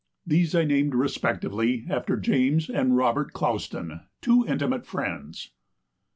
These I named respectively after James and Robert Clouston, two intimate friends.